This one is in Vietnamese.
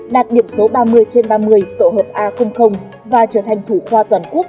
đạt điểm số ba mươi trên ba mươi tổ hợp a và trở thành thủ khoa toàn quốc